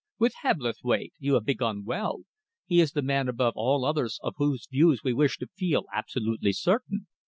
"With Hebblethwaite! You have begun well. He is the man above all others of whose views we wish to feel absolutely certain.